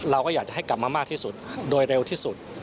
เราก็อยากจะให้กลับมามากที่สุดโดยเร็วที่สุด